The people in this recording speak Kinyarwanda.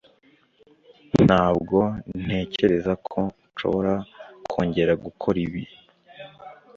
Ntabwo ntekereza ko nshobora kongera gukora ibi